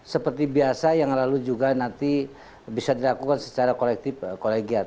seperti biasa yang lalu juga nanti bisa dilakukan secara kolektif kolegial